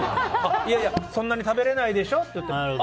いやいや、そんなに食べれないんでしょって。